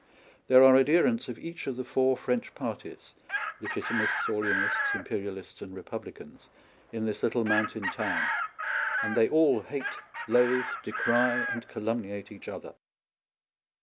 There are adherents of each of the four French parties — Legitimists, Orleanists, Imperialists, and Republicans — in this little mountain town ; and they all hate, loathe, decry, and calumniate each other.